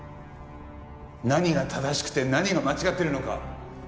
何が正しくて何が間違ってるのか